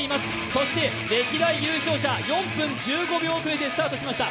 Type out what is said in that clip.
そして歴代優勝者、４分１５秒遅れでスタートしました。